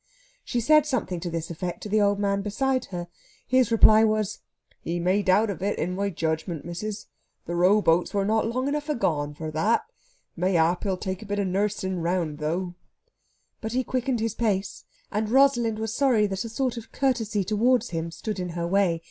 She said something to this effect to the old man beside her. His reply was: "Ye may doubt of it, in my judgment, missis. The rowboats were not long enough agone for that. Mayhap he'll take a bit of nursing round, though." But he quickened his pace, and Rosalind was sorry that a sort of courtesy towards him stood in her way.